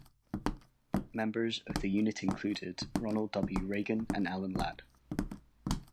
Members of the unit included Ronald W. Reagan and Alan Ladd.